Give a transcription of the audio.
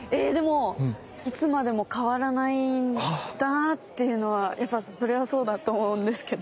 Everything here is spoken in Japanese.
いつまでも変わらないなっていうのはやっぱりそれはそうだと思うんですけど。